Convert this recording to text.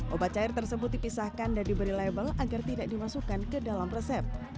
obat cair tersebut dipisahkan dan diberi label agar tidak dimasukkan ke dalam resep